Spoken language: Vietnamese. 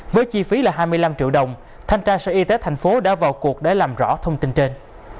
với chi phí là hai mươi năm triệu đồng thanh tra sở y tế thành phố đã vào cuộc để làm rõ thông tin trên